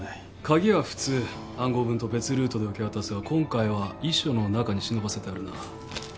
鍵は普通暗号文と別ルートで受け渡すが今回は遺書の中に忍ばせてあるな。